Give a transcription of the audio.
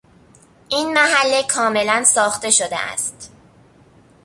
این محله کاملا ساخته شده است.